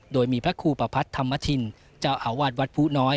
โดยมีพระครูปภัทธรรมธินธรรมจ้าวอาวาสวัสดิ์ภูน้อย